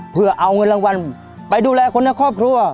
เพื่อเอาเงินรางวัลไปดูแลคนในครอบครัว